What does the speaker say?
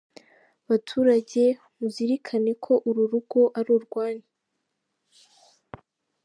Baturage muzirikane ko uru rugo ari urwanyu.